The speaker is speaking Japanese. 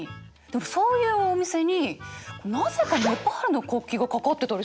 でもそういうお店になぜかネパールの国旗が掛かってたりするんだよな。